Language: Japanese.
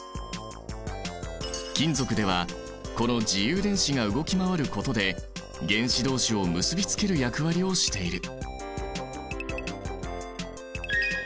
金属ではこの自由電子が動き回ることで原子どうしを結びつける役割をしている。